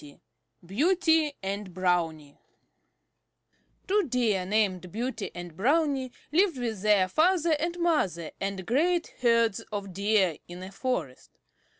XX BEAUTY AND BROWNIE Two Deer named Beauty and Brownie lived with their father and mother and great herds of Deer in a forest.